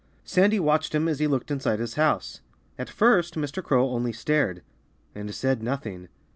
Sandy watched him as he looked inside his house. At first Mr. Crow only stared and said nothing.